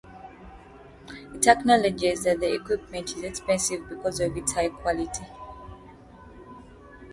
It acknowledges that the equipment is expensive because of its high quality.